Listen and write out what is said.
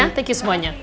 terima kasih semuanya